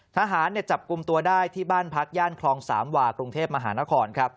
ทหารจับกลุ่มตัวได้ที่บ้านพักย่านคลองสามวากรุงเทพมหานครครับ